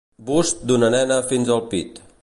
Bust d'una nena fins al pit.